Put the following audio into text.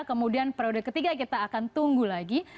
kemudian periode ketiga kita akan tunggu lagi